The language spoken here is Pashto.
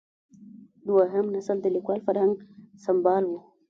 دویم نسل د کلیوال فرهنګ سمبال و.